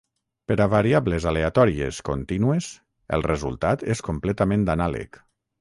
Per a variables aleatòries contínues, el resultat és completament anàleg.